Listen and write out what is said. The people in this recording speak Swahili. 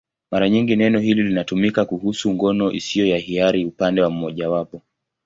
Mara nyingi neno hili linatumika kuhusu ngono isiyo ya hiari upande mmojawapo.